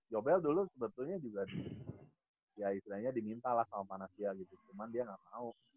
yobel dulu sebetulnya juga ya istilahnya diminta lah sama panasya gitu cuman dia gak mau